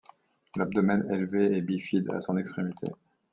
L'abdomen élevé, est bifide à son extrémité.